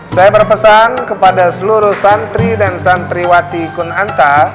saya berpesan kepada seluruh santri dan santriwati kunanta